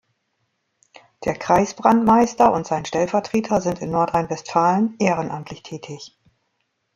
Der Kreisbrandmeister und sein Stellvertreter sind in Nordrhein-Westfalen ehrenamtlich tätig.